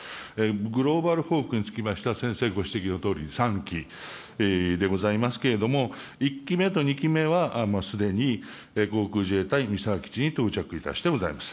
グローバルホークにつきましては、先生ご指摘のとおり３機でございますけれども、１期目と２期目はすでに航空自衛隊三沢基地に到着いたしてございます。